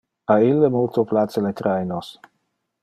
A ille multo place le trainos.